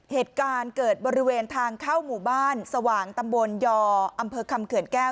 เหตุการณ์เกิดบริเวณทางเข้าหมู่บ้านสว่างตำบลยออำเภอคำเขื่อนแก้ว